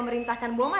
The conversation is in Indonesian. wait www pertuk mulut